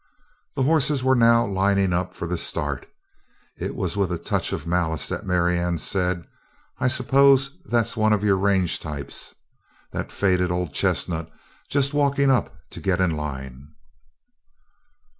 The hosses were now lining up for the start, it was with a touch of malice that Marianne said: "I suppose that's one of your range types? That faded old chestnut just walking up to get in line?"